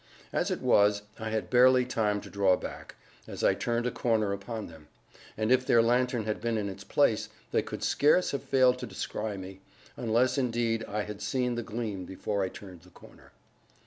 As it was, I had barely time to draw back, as I turned a corner upon them; and if their lantern had been in its place, they could scarce have failed to descry me, unless indeed I had seen the gleam before I turned the corner.